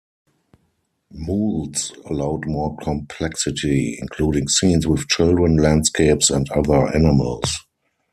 Moulds allowed more complexity, including scenes with children, landscapes and other animals.